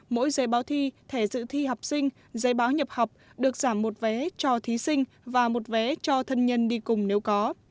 mỗi giấy báo thi thẻ dự thi học sinh giấy báo nhập học được giảm một vé cho thí sinh và một vé cho thân nhân đi cùng nếu có